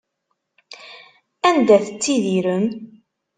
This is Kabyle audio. Anda tettttidirem?